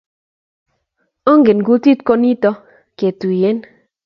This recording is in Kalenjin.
Onge kutit ko nito, ketuiyen